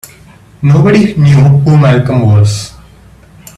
Nobody knew who Malcolm was.